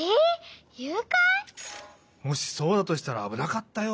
もしそうだとしたらあぶなかったよ。